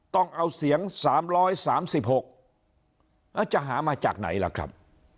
ต้องเอาเสียงสามร้อยสามสิบหกแล้วจะหามาจากไหนล่ะครับ